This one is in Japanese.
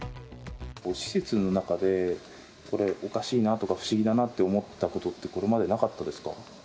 施設の中で、これ、おかしいなとか、不思議だなって思ったことって、これまでなかったですか？